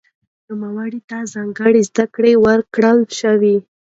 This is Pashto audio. نوموړي ته ځانګړې زده کړې ورکړل شوې.